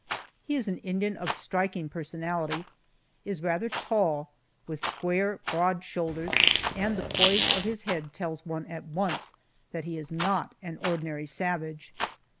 He is an Indian of striking personality is rather tall, with square, broad shoulders, and the poise of his head tells one at once that he is not an ordinary savage.